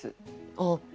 あっ。